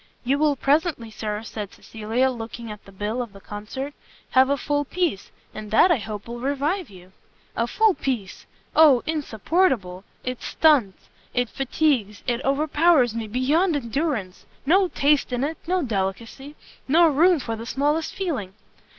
"You will presently, Sir," said Cecilia, looking at the bill of the concert, "have a full piece; and that, I hope, will revive you." "A full piece! oh insupportable! it stuns, it fatigues, it overpowers me beyond endurance! no taste in it, no delicacy, no room for the smallest feeling."